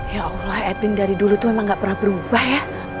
ya allah ething dari dulu tuh emang gak pernah berubah ya